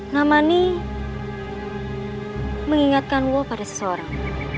nama ini mengingatkan gue pada seseorang